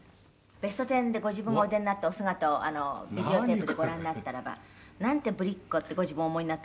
「『ベストテン』でご自分がお出になったお姿をビデオテープでご覧になったらばなんてぶりっ子ってご自分をお思いになったんですって？」